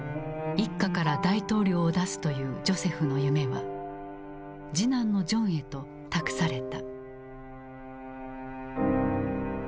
一家から大統領を出すというジョセフの夢は次男のジョンへと託された。